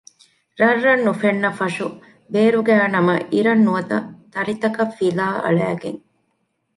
ރަށްރަށް ނުފެންނަފަށު ބޭރުގައި ނަމަ އިރަށް ނުވަތަ ތަރިތަކަށް ފިލާ އަޅައިގެން